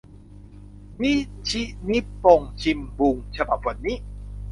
นิชินิปปงชิมบุง ฉบับวันนี้